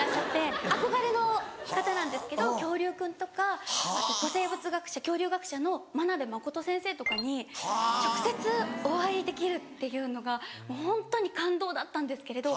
憧れの方なんですけど恐竜くんとか古生物学者恐竜学者の真鍋真先生とかに直接お会いできるっていうのがもう本当に感動だったんですけれど。